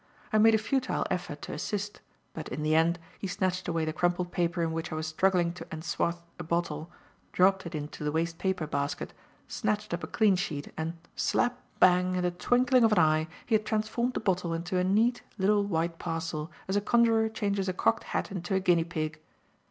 I made a futile effort to assist, but in the end, he snatched away the crumpled paper in which I was struggling to enswathe a bottle, dropped it into the waste paper basket, snatched up a clean sheet and slap! bang! in the twinkling of an eye, he had transformed the bottle into a neat, little white parcel as a conjuror changes a cocked hat into a guinea pig.